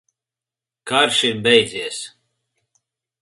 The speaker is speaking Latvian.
Karš ir beidzies!